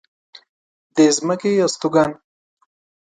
د ځمکې استوگن